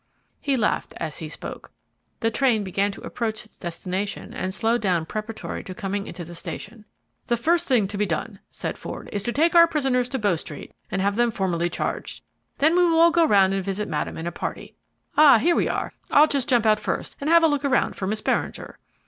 He laughed as he spoke. The train began to approach its destination, and slowed down preparatory to coming into the station. "The first thing to be done," said Ford, "is to take our prisoners to Bow Street and have them formally charged, then we will all go and visit Madame in a party. Ah! here we are: I'll just jump out first, and have a look round for Miss Beringer."